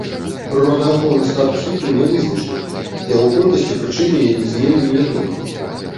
Прыродаахоўны статус віду нявызначаны, яго колькасць і прычыны яе змены невядомыя.